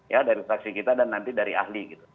ya dari saksi kita dan nanti dari ahli gitu